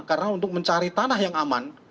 karena untuk mencari tanah yang aman